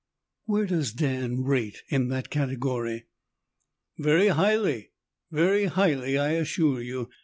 "Where does Dan rate in that category?" "Very highly. Very highly I assure you.